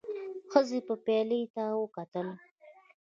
ښځې پيالې ته وکتل.